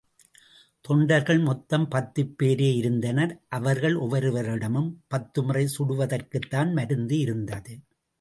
தொண்டர்கள் மொத்தம் பத்துப் பேரேயிருந்தனர் அவர்கள் ஒவ்வொருவரிடமும் பத்துமுறை கடுவதற்குத்தான் மருந்து இருந்தது.